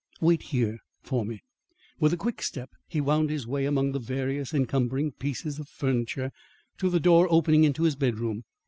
Wait here for me." With a quick step he wound his way among the various encumbering pieces of furniture, to the door opening into his bedroom.